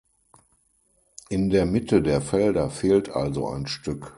In der Mitte der Felder fehlt also ein Stück.